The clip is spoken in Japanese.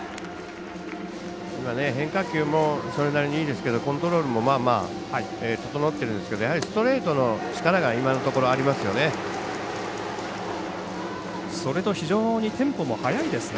今、変化球もそれなりにいいですけどコントロールもまあまあ、整ってるんですがやはりストレートの力が今のところありますよね。